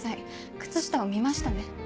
靴下を見ましたね？